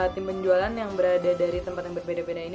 tim penjualan yang berada dari tempat yang berbeda beda ini